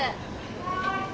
・はい！